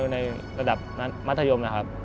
ในระดับมัธยม